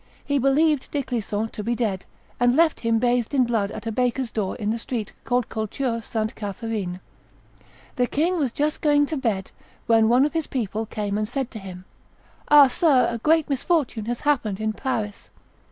He believed De Clisson to be dead, and left him bathed in blood at a baker's door in the street called Culture Sainte Catherine. The king was just going to bed, when one of his people came and said to him, "Ah! sir, a great misfortune has happened in Paris."